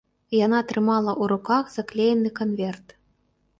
Яна трымала ў руках заклеены канверт.